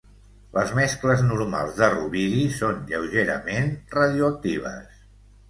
Les mescles normals de rubidi són lleugerament radioactives.